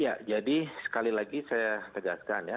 ya jadi sekali lagi saya tegaskan ya